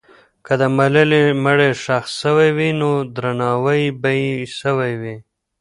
که د ملالۍ مړی ښخ سوی وي، نو درناوی به یې سوی وي.